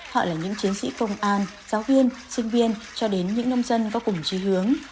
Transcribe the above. họ là những chiến sĩ công an giáo viên sinh viên cho đến những nông dân có cùng trí hướng